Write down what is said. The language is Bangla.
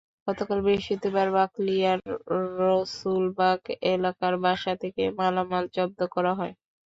গতকাল বৃহস্পতিবার বাকলিয়ার রসুলবাগ এলাকার বাসা থেকে মালামাল জব্দ করা হয়।